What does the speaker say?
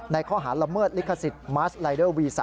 ข้อหาละเมิดลิขสิทธิ์มัสลายเดอร์วี๓